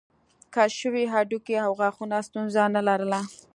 کشف شوي هډوکي او غاښونه ستونزه نه لرله.